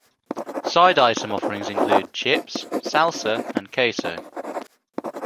Side item offerings include chips, salsa, and queso.